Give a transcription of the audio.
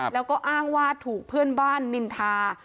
แล้วก็อ้างว่าถูกเพื่อนบ้านนินทา